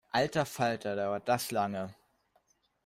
Alter Falter, dauert das lange!